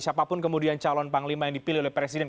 siapapun kemudian calon panglima yang dipilih oleh presiden